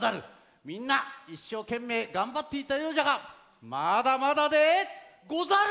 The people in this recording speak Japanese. みんないっしょうけんめいがんばっていたようじゃがまだまだでござる！